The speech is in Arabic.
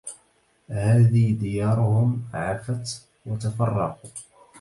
هذي ديارهم عفت وتفرقوا